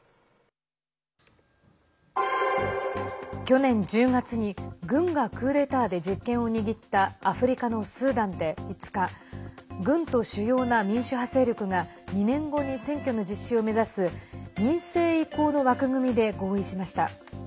去年１０月に軍がクーデターで実権を握ったアフリカのスーダンで５日軍と主要な民主派勢力が２年後に選挙の実施を目指す民政移行の枠組みで合意しました。